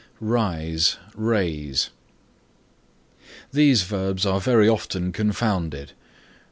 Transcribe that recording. RISE RAISE These verbs are very often confounded.